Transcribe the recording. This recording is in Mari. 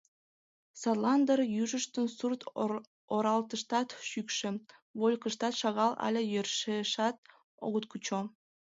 Садлан дыр южыштын сурт-оралтыштат шӱкшӧ, вольыкыштат шагал але йӧршешат огыт кучо.